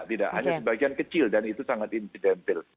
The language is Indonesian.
tidak hanya sebagian kecil dan itu sangat insidentil